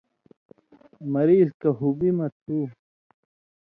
مریض کہ ہُبی مہ تُھو